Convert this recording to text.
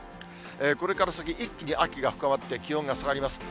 これから先、一気に秋が深まって、気温が下がります。